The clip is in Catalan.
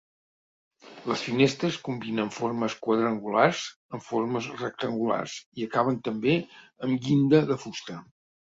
Les finestres combinen formes quadrangulars amb formes rectangulars i acaben també amb llinda de fusta.